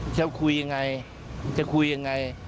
จะคุยยังไงจะคุยยังไง